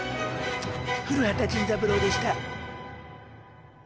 古畑ジンズ三郎でした。